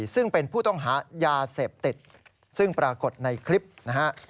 ซึ่งเป็นผู้ต้องหายาเสพติดซึ่งปรากฏในคลิปนะฮะ